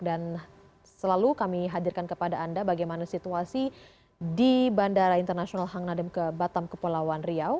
dan selalu kami hadirkan kepada anda bagaimana situasi di bandara internasional hang nadem ke batam kepulauan riau